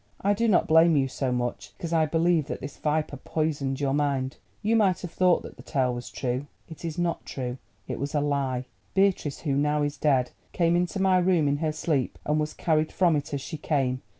"I do not blame you so much, because I believe that this viper poisoned your mind. You might have thought that the tale was true. It is not true; it was a lie. Beatrice, who now is dead, came into my room in her sleep, and was carried from it as she came.